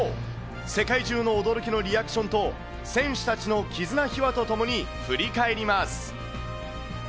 世界中の驚きのリアクションと、選手たちの絆秘話とともに振り返ります。